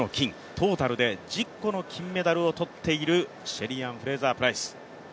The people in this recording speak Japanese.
トータルで１０個の金メダルを取っているシェリーアン・フレイザープライス。